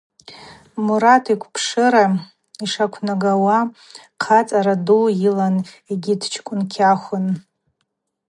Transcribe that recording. Мурат йквпшыра йшаквнагауа хъацӏара дугьи йылан йгьи дчкӏвын кьахвын.